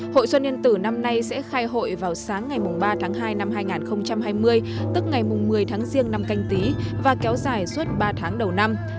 hội xuân yên tử năm nay sẽ khai hội vào sáng ngày ba tháng hai năm hai nghìn hai mươi tức ngày một mươi tháng riêng năm canh tí và kéo dài suốt ba tháng đầu năm